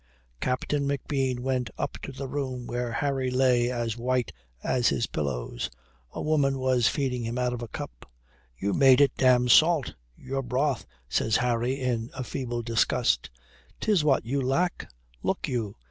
Captain McBean went up to the room where Harry lay as white as his pillows. A woman was feeding him out of a cup. "You made it damned salt, your broth," says Harry, in a feeble disgust. "'Tis what you lack, look you."